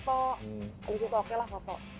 kok habis itu oke lah foto